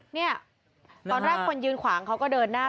เนี่ยตอนแรกคนยืนขวางเขาก็เดินหน้า